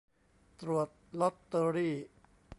ตรวจลอตเตอรี